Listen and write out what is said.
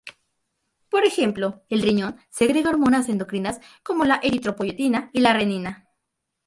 Por ejemplo el riñón segrega hormonas endocrinas como la eritropoyetina y la renina.